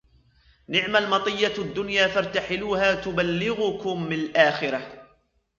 نِعْمَ الْمَطِيَّةُ الدُّنْيَا فَارْتَحِلُوهَا تُبَلِّغُكُمْ الْآخِرَةَ